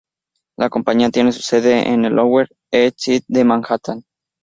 La compañía tiene su sede en el Lower East Side de Manhattan.